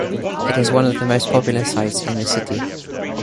It is one of the most popular sites in the city.